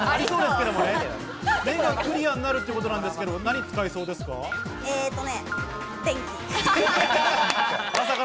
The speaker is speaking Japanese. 目がクリアになるということですが、何を使いそうですか？